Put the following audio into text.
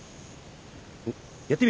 やってみる？